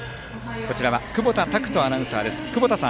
こちらは久保田拓人アナウンサー。